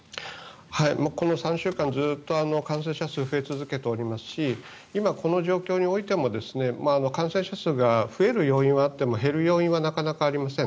この３週間ずっと感染者数は増え続けておりますし今、この状況においても感染者数が増える要因はあっても減る要因はなかなかありません。